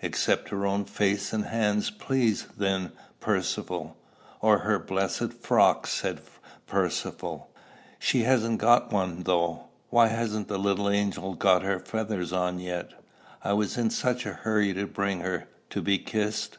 "Except her own face and hands, please, then, Percivale." "Or her blessed frock," said Percivale. "She hasn't got one, though. Why hasn't the little angel got her feathers on yet?" "I was in such a hurry to bring her." "To be kissed?"